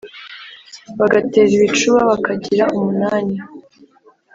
bagatera ibicúba bakagira umunani